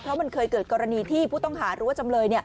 เพราะมันเคยเกิดกรณีที่ผู้ต้องหาหรือว่าจำเลย